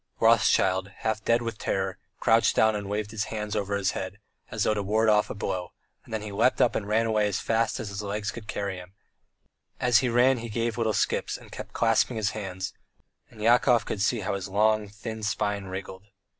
Rothschild, half dead with terror, crouched down and waved his hands over his head, as though to ward off a blow; then he leapt up and ran away as fast as his legs could carry him: as he ran he gave little skips and kept clasping his hands, and Yakov could see how his long thin spine wriggled.